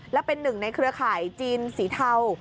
และเป็นหนึ่งในเครือข่ายจีนสีเทา